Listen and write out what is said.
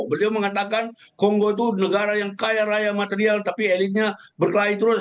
beliau mengatakan kongo itu negara yang kaya raya material tapi elitnya berkelahi terus